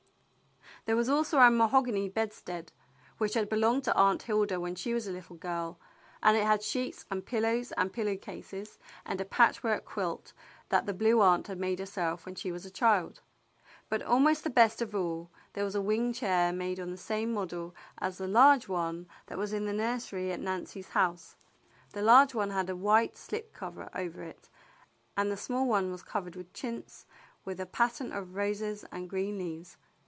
There was also a mahogany bedstead, which had belonged to Aunt Hilda when she was a little girl, and it had sheets and pillows and pillow cases and a patchwork quilt that the Blue Aunt had made herself when she was a child; but almost the best of all, there was a wing chair made on the same model as the large one that was in the nursery at Nancy's house. The large one had a white slip cover over it, and the small one was covered with chintz with a pattern of roses and green leaves.